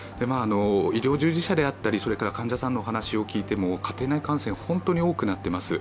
医療従事者であったり患者さんの話を聞いていても家庭内感染、本当に多くなっています。